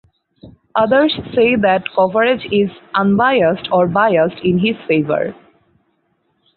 Others say that coverage is unbiased or biased in his favor.